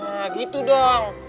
nah gitu dong